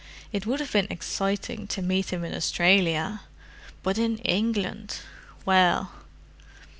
It would have been exciting to meet him in Australia; but in England—well!"